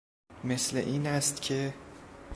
مثل این است که...